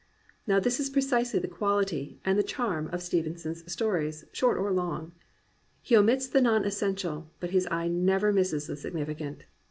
Now this is precisely the quality, and the charm, of Steven son's stories, short or long. He omits the non essen tial, but his eye never misses the significant.